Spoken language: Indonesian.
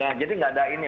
nah jadi nggak ada ini